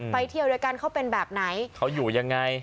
ไปเที่ยวด้วยกันเขาเป็นแบบไหนเขาอยู่ยังไง